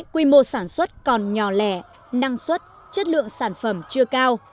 quy mô sản xuất còn nhỏ lẻ năng suất chất lượng sản phẩm chưa cao